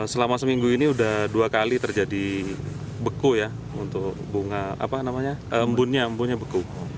selama seminggu ini sudah dua kali terjadi beku ya untuk bunga apa namanya embunnya embunnya beku